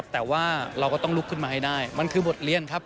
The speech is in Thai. แต่ว่าเราก็ต้องลุกขึ้นมาให้ได้มันคือบทเรียนครับ